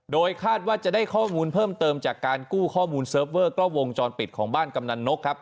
โดยคาดว่าจะได้ข้อมูลเพิ่มเติมจากการกู้ข้อมูลเซิร์ฟเวอร์กล้องวงจรปิดของบ้านกำนันนกครับ